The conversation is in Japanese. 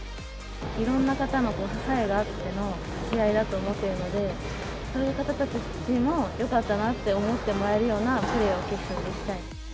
いろんな方の支えがあっての試合だと思っているので、そういう方たちに、よかったなって思ってもらえるようなプレーを決勝でしたい。